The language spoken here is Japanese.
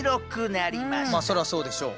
まあそりゃそうでしょう。